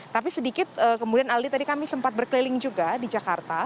tapi sedikit kemudian aldi tadi kami sempat berkeliling juga di jakarta